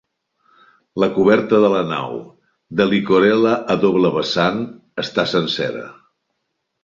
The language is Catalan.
La coberta de la nau, de llicorella a doble vessant, està sencera.